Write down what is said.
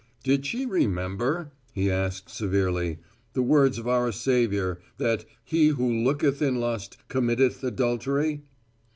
Did she remember, he asked severely, the words of our Savior, that "he who looketh in lust, committeth adultery."